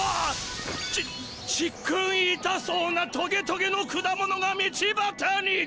ちっちっくんいたそうなトゲトゲの果物が道ばたに。